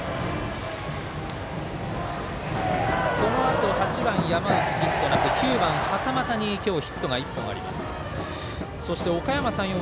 このあと８番の山内、ヒットなく９番の袴田は今日ヒットが１本あります。